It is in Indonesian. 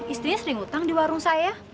istrinya sering utang di warung saya